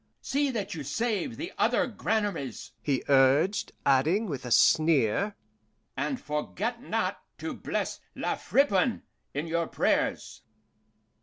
"See that you save the other granaries," he urged, adding, with a sneer, "and forget not to bless La Friponne in your prayers!"